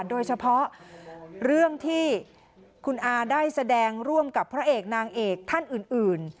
โดยเฉพาะเรื่องที่คุณอาได้แสดงร่วมกับพระเอกนางเอกท่านอื่น